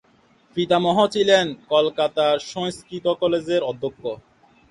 পিতামহ ছিলেন কলকাতার সংস্কৃত কলেজের অধ্যক্ষ।